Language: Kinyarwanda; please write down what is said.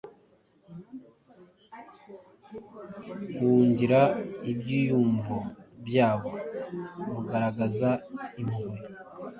guangira ibyiyumvo byabo Mugaragaza impuhwe,